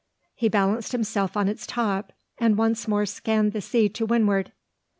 He balanced himself on its top, and once more scanned the sea to windward.